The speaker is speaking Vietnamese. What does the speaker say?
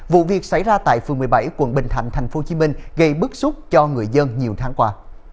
vụ việc xảy ra tại phường một mươi bảy quận bình thạnh tp hcm gây bức xúc cho người dân nhiều tháng qua